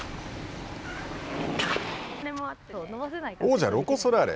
王者ロコ・ソラーレ。